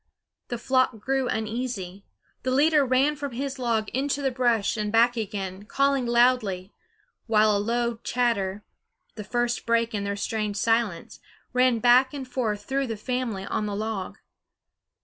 The flock grew uneasy; the leader ran from his log into the brush and back again, calling loudly, while a low chatter, the first break in their strange silence, ran back and forth through the family on the log.